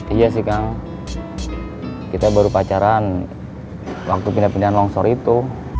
iya sih kang kita baru pacaran waktu pindah pindahan longsor itu